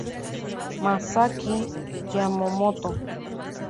Masaki Yamamoto